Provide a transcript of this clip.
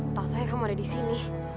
takutnya kamu ada di sini